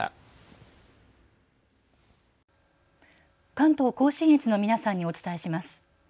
関東甲信越の皆さんにお伝えします。